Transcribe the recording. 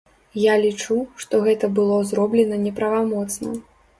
Я лічу, што гэта было зроблена неправамоцна.